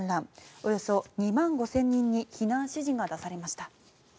およそ２万５０００人に避難指示が出されました。